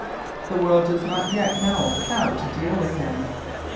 The world does not yet know how to deal with him.